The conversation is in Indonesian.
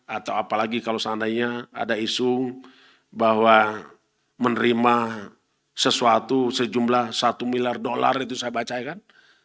atau apalagi kalau seandainya ada isu bahwa menerima sesuatu sejumlah satu miliar dolar itu saya baca kan